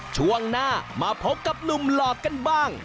ช่วงหน้ามาพบกับหนุ่มหลอกกันบ้าง